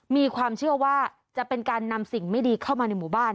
มีความเชื่อว่าจะเป็นการนำสิ่งไม่ดีเข้ามาในหมู่บ้าน